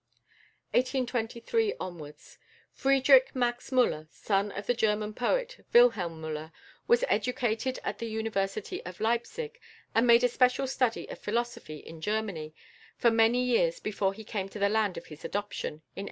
=Friedrich Max Müller (1823 )=, son of the German poet, Wilhelm Müller, was educated at the University of Leipzig, and made a special study of philosophy in Germany for many years before he came to the land of his adoption, in 1846.